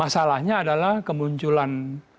salahnya adalah kemunculan